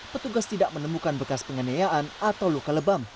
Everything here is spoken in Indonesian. petugas tidak menemukan bekas penganiayaan atau luka lebam